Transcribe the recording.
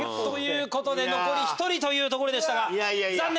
残り１人というところでしたが残念！